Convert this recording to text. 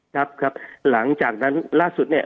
ครับครับหลังจากนั้นล่าสุดเนี่ย